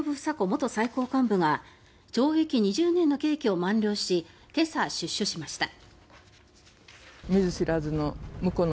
元最高幹部が懲役２０年の刑期を満了し今朝、出所しました。